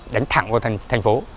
đánh thẳng vào thành phố